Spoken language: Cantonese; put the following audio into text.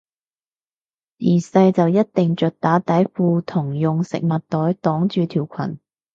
自細就一定着打底褲同用食物袋擋住條裙